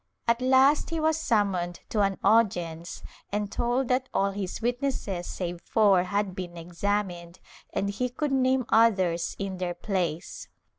At last he was sum moned to an audience and told that all his witnesses save four had been examined and he could name others in their place.